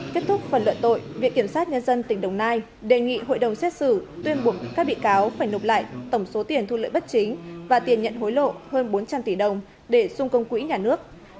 kết thúc phần luận tội viện kiểm sát nhân dân tỉnh đồng nai đề nghị hội đồng xét xử tuyên buộc các bị cáo phải nộp lại tổng số tiền thu lợi bất chính và tiền nhận hối lộ hơn bốn trăm linh tỷ đồng để xung công quỹ nhà nước